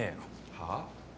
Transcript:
はあ？